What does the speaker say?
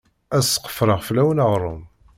Ad sqefreɣ fell-awen aɣrum.